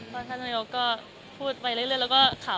พี่นายกกกพูดไปเรื่อยแล้วก็ค่ำ